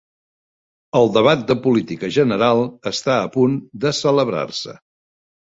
El debat de política general està a punt de celebrar-se